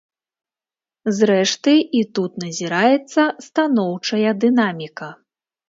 Зрэшты, і тут назіраецца станоўчая дынаміка.